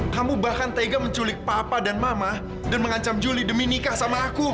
kamu bahkan tega menculik papa dan mama dan mengancam juli demi nikah sama aku